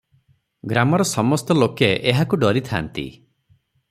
ଗ୍ରାମର ସମସ୍ତ ଲୋକେ ଏହାକୁ ଡରିଥାନ୍ତି ।